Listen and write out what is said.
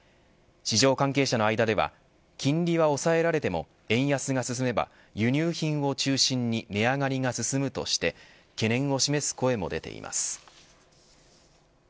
市場関係者の間では金利を抑えられても円安が進めば輸入品を中心に値上がりが進むとして懸念を示す声も出ています。